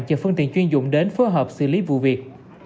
chờ phương tiện chuyên dụng đến phối hợp xử lý vụ việc